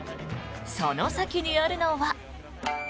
その先にあるのは。